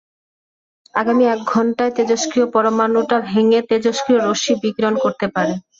আগামী এক ঘণ্টায় তেজস্ক্রিয় পরমাণুটা ভেঙে তেজস্ক্রিয় রশ্মি বিকিরণ করতে পারে।